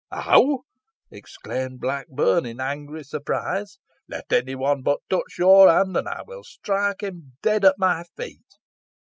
'How!' exclaimed Blackburn, in angry surprise. 'Let any one but touch your hand, and I will strike him dead at my feet.'